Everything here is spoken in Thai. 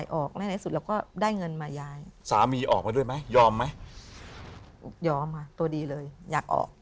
ยอมมาตัวดีเลยอยากออก